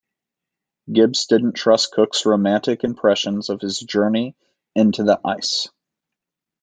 Gibbs didn't trust Cook's "romantic" impressions of his journey into the ice.